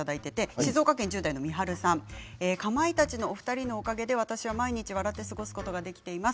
静岡県１０代の方かまいたちのお二人のおかげで私は毎日笑って過ごすことができています。